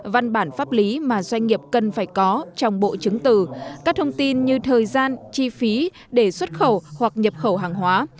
văn bản pháp lý mà doanh nghiệp cần phải có trong bộ chứng từ các thông tin như thời gian chi phí để xuất khẩu hoặc nhập khẩu hàng hóa